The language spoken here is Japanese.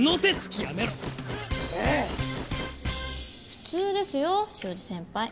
普通ですよ潮路先輩。